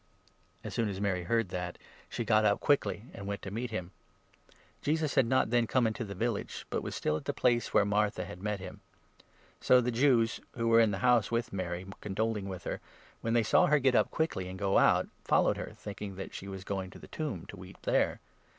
As soon as Mary heard that, she got up quickly, and went to 29 meet him. Jesus had not then come into the village, but was 30 still at the place where Martha nad met him. So the Jews, who 31 were in the house with Mary, condoling with her, when they saw her get up quickly and go out, followed her, thinking that she was going to the tomb ki weep there.